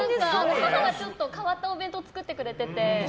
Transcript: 母が変わったお弁当を作ってくれてて。